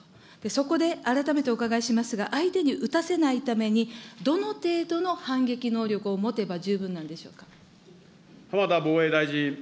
そこで、改めてお伺いしますが、相手に撃たせないために、どの程度の反撃能力を持てば十分なんでしょうか。